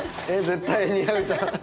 絶対似合うじゃん